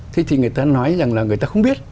thế thì người ta nói rằng là người ta không biết